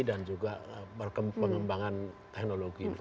dan juga pengembangan teknologi informasi